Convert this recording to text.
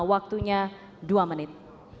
waktunya dua menit